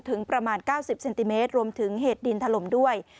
ถึงประมาณ๙๐เซนติเมตรรวมถึงเหตุดินถล่มด้วย